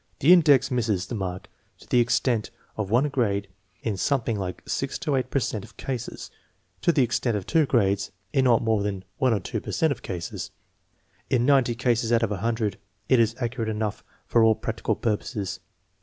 The index misses the mark to the extent of one grade in something like six to eight per cent of cases, to the extent of two grades in not more than one or two per cent of cases. In ninety cases out of a hundred it is accurate enough for all practical purposes.